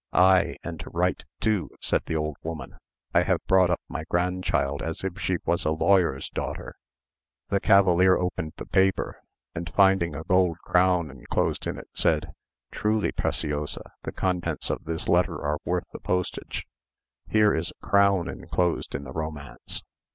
"Ay, and to write too," said the old woman. "I have brought up my grandchild as if she was a lawyer's daughter." The cavalier opened the paper, and finding a gold crown inclosed in it, said, "Truly, Preciosa, the contents of this letter are worth the postage. Here is a crown inclosed in the romance."